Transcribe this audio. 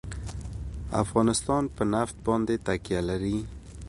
افغانستان په نفت باندې تکیه لري.